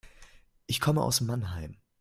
Ich komme aus Mannheim